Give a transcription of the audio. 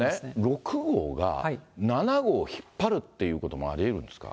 ６号が７号を引っ張るってこともありえるんですか。